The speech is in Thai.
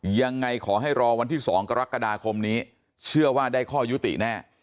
ยังไงขอให้รอวันที่๒กรกฎาคมนี้เชื่อว่าได้ข้อยุติแน่